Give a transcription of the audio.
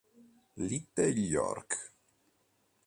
Little York